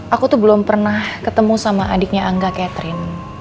aku tuh belum pernah ketemu sama adiknya angga catherine